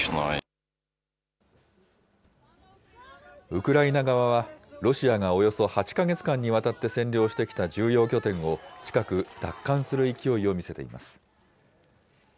ウクライナ側は、ロシアがおよそ８か月間にわたって占領してきた重要拠点を近く奪還する勢いを見せています。